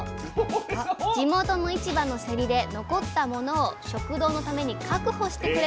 地元の市場のセリで残ったものを食堂のために確保してくれたんです。